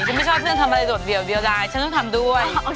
ไม่ชอบเพื่อนทำอะไรโดดเดี่ยวเดียวได้ฉันต้องทำด้วย